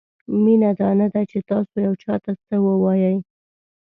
مینه دا نه ده چې تاسو یو چاته څه ووایئ.